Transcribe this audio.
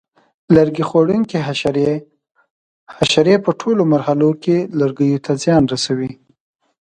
لرګي خوړونکي حشرې: حشرې په ټولو مرحلو کې لرګیو ته زیان رسوي.